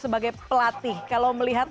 sebagai pelatih kalau melihat